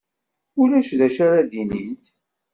Ulac d acu ara d-inint.